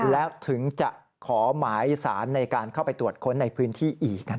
แล้วถึงจะขอหมายสารในการเข้าไปตรวจค้นในพื้นที่อีก